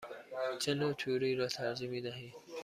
چه نوع توری را ترجیح می دهید؟